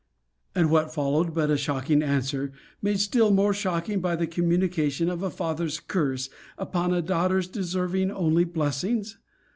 And what followed but a shocking answer, made still more shocking by the communication of a father's curse, upon a daughter deserving only blessings?